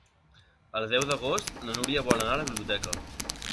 El deu d'agost na Núria vol anar a la biblioteca.